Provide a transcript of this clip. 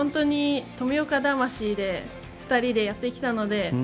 富岡魂で２人でやってきたので。